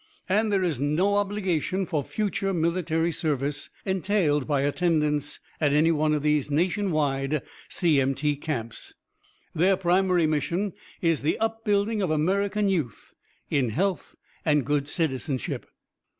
And there is no obligation for future military service entailed by attendance at any of these Nation wide CMT camps. Their primary mission is the upbuilding of American youth in health and good citizenship.